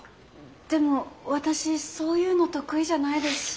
でも私そういうの得意じゃないですし。